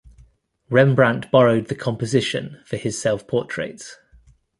Rembrandt borrowed the composition for his self-portraits.